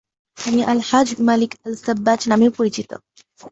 তিনি El Hajj Malik El Shabazz নামেও পরিচিত।